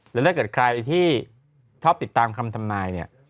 และถ้าเกิดใครที่ชอบติดตามคำทำนายเนี่ย